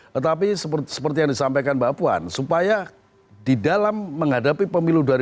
tetapi seperti yang disampaikan mbak puan supaya di dalam menghadapi pemilu dua ribu sembilan belas